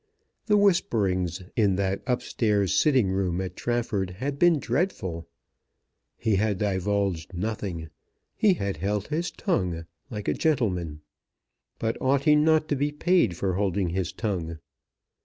The whisperings in that up stairs sitting room at Trafford had been dreadful. He had divulged nothing. He had held his tongue, like a gentleman. But ought he not to be paid for holding his tongue?